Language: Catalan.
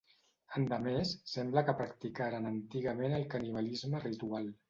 Endemés, sembla que practicaren antigament el canibalisme ritual.